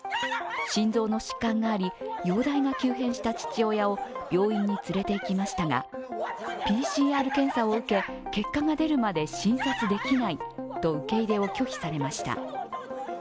心臓の疾患があり、容体が急変した父親を病院に連れていきましたがＰＣＲ検査を受け、結果が出るまで診察できないと受け入れを拒否されました。